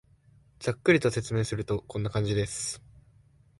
ざっくりと説明すると、こんな感じです